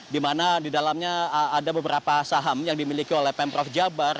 di mana di dalamnya ada beberapa saham yang dimiliki oleh pemprov jabar